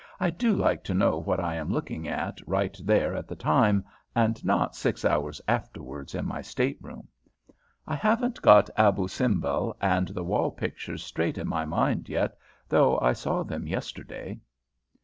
"I do like to know what I am looking at right there at the time, and not six hours afterwards in my state room. I haven't got Abou Simbel and the wall pictures straight in my mind yet, though I saw them yesterday."